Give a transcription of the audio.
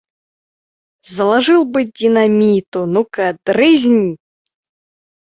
Заложил бы динамиту – ну-ка, дрызнь!